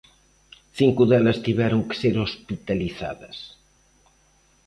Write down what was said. Cinco delas tiveron que ser hospitalizadas.